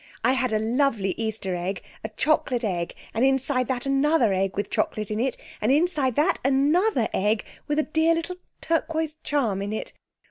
I had a lovely Easter egg, a chocolate egg, and inside that another egg with chocolate in it, and inside that another egg with a dear little turquoise charm in it.